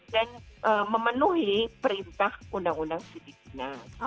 dan memenuhi perintah undang undang sidikinan